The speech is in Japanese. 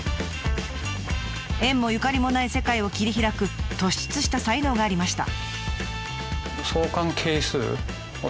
縁もゆかりもない世界を切り開く突出した才能がありました。